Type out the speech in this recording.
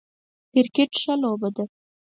کرکټ ښه لوبه ده